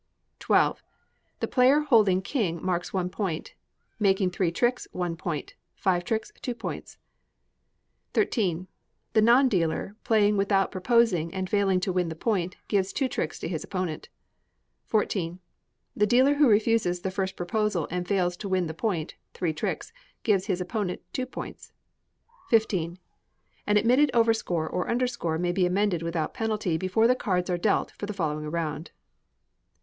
xii. The player holding king marks one point; making three tricks, one point; five tricks, two points. xiii. The non dealer playing without proposing and failing to win the point, gives two tricks to his opponent. xiv. The dealer who refuses the first proposal and fails to win the point (three tricks), gives his opponent two points. xv. An admitted overscore or underscore may be amended without penalty before the cards are dealt for the following round.